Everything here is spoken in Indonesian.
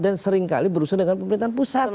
dan seringkali berusaha dengan pemerintahan pusat